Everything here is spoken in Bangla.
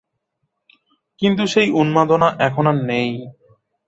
কিন্তু সেই উন্মাদনা এখন আর নেই।